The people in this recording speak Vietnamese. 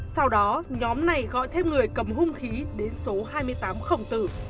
sau đó nhóm này gọi thêm người cầm hung khí đến số hai mươi tám khổng tử